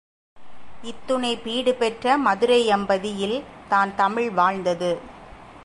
இத்துணை பீடுபெற்ற மதுரையம்பதியில் தான் தமிழ் வாழ்ந்தது.